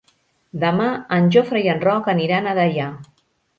Demà en Jofre i en Roc aniran a Deià.